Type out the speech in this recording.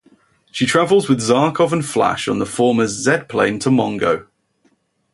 She travels with Zarkov and Flash on the former's Z-Plane to Mongo.